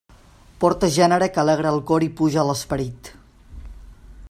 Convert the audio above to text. Porta gènere que alegra el cor i puja l'esperit.